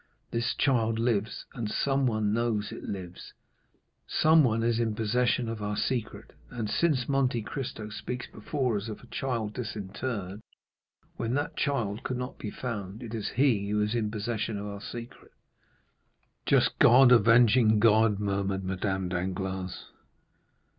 This child lives, and someone knows it lives—someone is in possession of our secret; and since Monte Cristo speaks before us of a child disinterred, when that child could not be found, it is he who is in possession of our secret." "Just God, avenging God!" murmured Madame Danglars.